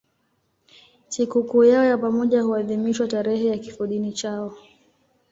Sikukuu yao ya pamoja huadhimishwa tarehe ya kifodini chao.